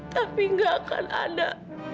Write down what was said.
tapi tidak akan ada